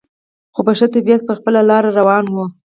خو په ښه طبیعت پر خپله لار روان و.